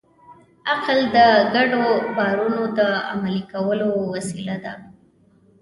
عقل د ګډو باورونو د عملي کولو وسیله ده.